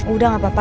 udah gak apa apa